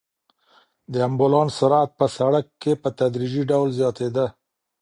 د امبولانس سرعت په سړک کې په تدریجي ډول زیاتېده.